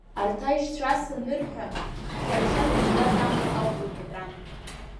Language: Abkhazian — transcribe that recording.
Арҭ аишьцәа ас анырҳәа, Шәаҳәшьа дызгаз амаҭ ауп лҳәеит ран.